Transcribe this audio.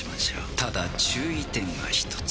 ただ注意点が一つ。